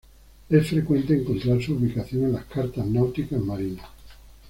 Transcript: Es frecuente encontrar su ubicación en las cartas náuticas marinas.